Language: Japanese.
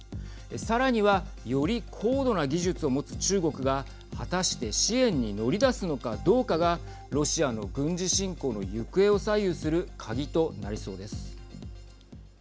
さらには、より高度な技術を持つ中国が果たして支援に乗り出すのかどうかがロシアの軍事侵攻の行方を左右する鍵となりそうです。